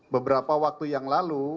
beberapa waktu yang lalu